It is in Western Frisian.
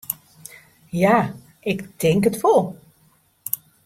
Ja, ik tink it wol.